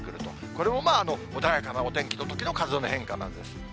これもまあ、穏やかなお天気のときの風の変化なんです。